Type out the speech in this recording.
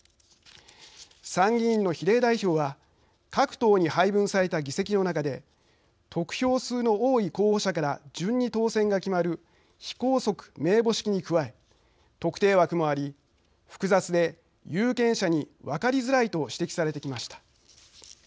参議院の比例代表は各党に配分された議席の中で得票数の多い候補者から順に当選が決まる非拘束名簿式に加え特定枠もあり複雑で有権者に分かりづらいと指摘されてきました。